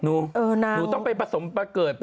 หนูต้องไปผสมประเกิด